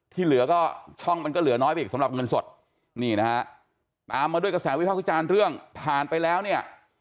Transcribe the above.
ที่เหลือก็ช่องมันก็เหลือน้อยไปอีกสำหรับเงินสดนี่นะฮะตามมาด้วยกระแสวิภาควิจารณ์เรื่องผ่านไปแล้วเนี่ย